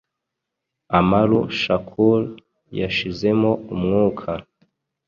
Amaru Shakur yashizemo umwuka.